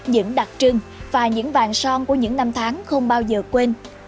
những đặc trưng và những vàng son của những năm tháng không bao giờ quên